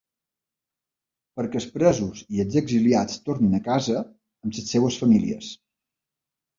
Perquè els presos i els exiliats tornin a casa, amb les seves famílies.